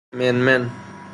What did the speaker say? من من